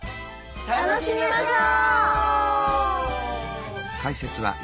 楽しみましょう！